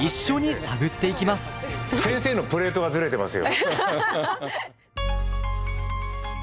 先生のプレートがずれてますよ。